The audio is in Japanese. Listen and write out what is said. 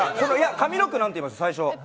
上の句、何て言いました、最初。